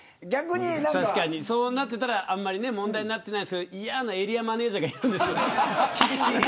確かに、そうなっていたらあんまり問題にならないですけど嫌なエリアマネジャーがいるんですよね。